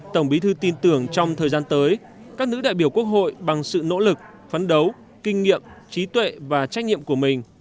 tổng bí thư tin tưởng trong thời gian tới các nữ đại biểu quốc hội bằng sự nỗ lực phấn đấu kinh nghiệm trí tuệ và trách nhiệm của mình